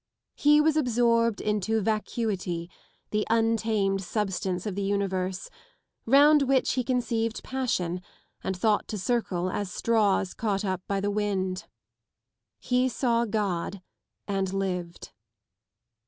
He was absorbed into vacuity, the untamed substance of the universe, round which he conceived passion and thought to circle as straws caught up by the wind. He saw God and lived.